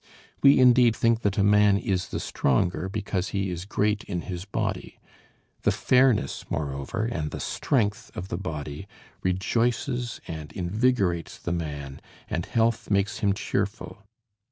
We indeed think that a man is the stronger, because he is great in his body. The fairness, moreover, and the strength of the body, rejoices and invigorates the man, and health makes him cheerful.